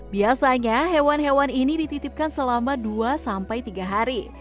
biasanya hewan hewan ini dititipkan selama dua sampai tiga hari